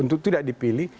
untuk tidak dipilih